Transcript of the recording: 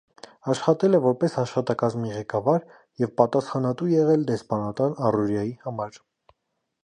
Աշխատել է որպես աշխատակազմի ղեկավար և պատասխանատու եղել դեսպանատան առօրյայի համար։